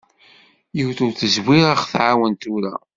Yiwet ur tezmir ad ɣ-twaɛen tura.